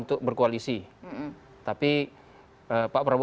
sukarek rakyat kita komtour